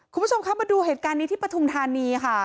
คุณผู้ชมคะมาดูเหตุการณ์นี้ที่ปฐุมธานีค่ะ